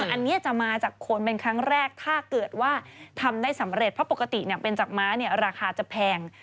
อันเนี้ยจะมาจากคนไม่ข้างแรกถ้าเกิดว่าทำได้สำเร็จเพราะปกติเป็นจากม้าลักษณะจะแพง